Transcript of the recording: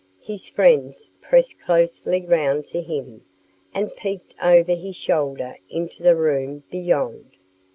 His friends pressed closely round to him and peeped over his shoulder into the room beyond.